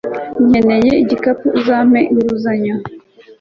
nkeneye igikapu. uzampa inguzanyo